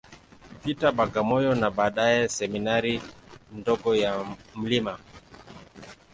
Peter, Bagamoyo, na baadaye Seminari ndogo ya Mt.